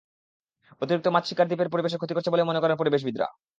অতিরিক্ত মাছ শিকার দ্বীপের পরিবেশের ক্ষতি করছে বলেও মনে করেন পরিবেশবিদেরা।